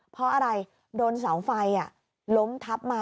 เพราะอะไรโดนเสาไฟล้มทับมา